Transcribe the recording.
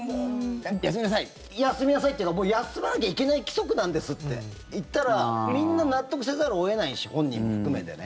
休みなさいっていうか休まなきゃいけない規則なんですっていったらみんな納得せざるを得ないし本人も含めてね。